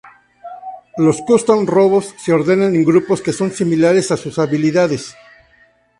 Los Custom Robos se ordenan en grupos que son similares a sus habilidades.